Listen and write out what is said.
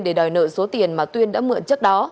để đòi nợ số tiền mà tuyên đã mượn trước đó